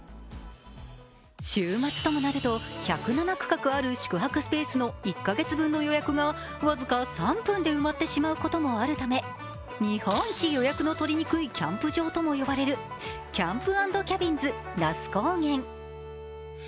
週末ともなると１０７区画ある宿泊スペースの１か月分の予約が僅か３分で埋まってしまうこともあるため、日本一予約の取れにくいキャンプ場とも呼ばれるキャンプ・アンド・キャビンズ那須高原。